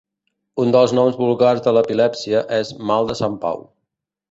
Un dels noms vulgars de l'epilèpsia és "mal de Sant Pau".